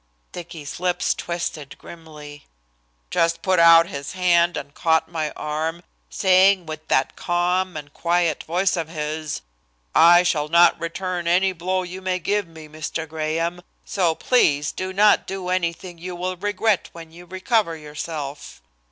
Dicky's lips twisted grimly. "Just put out his hand and caught my arm, saying with that calm and quiet voice of his: "'I shall not return any blow you may give me, Mr. Graham, so please do not do anything you will regret when you recover yourself!'